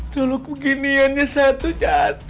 colo kukiniannya satu jatuh